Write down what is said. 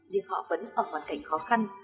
nhưng họ vẫn ở hoàn cảnh khó khăn